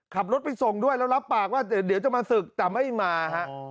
ขับรถไปส่งด้วยแล้วรับปากว่าเดี๋ยวจะมาศึกแต่ไม่มาฮะ